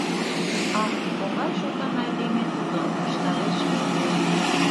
— Ах, могай шотан айдеме тудо, — ышталеш весе.